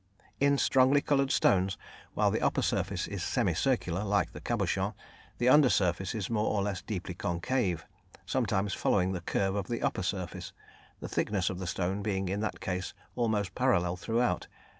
In strongly coloured stones, while the upper surface is semi circular like the cabochon, the under surface is more or less deeply concave, sometimes following the curve of the upper surface, the thickness of the stone being in that case almost parallel throughout.